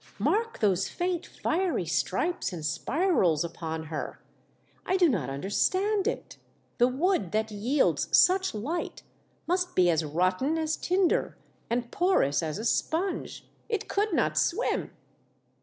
Mark those faint fiery stripes and spirals upon her. I do not under stand it. The wood that yields such light must be as rotten as tinder and porous as a sponge. It could not swim."